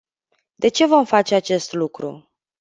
De ce vom face acest lucru?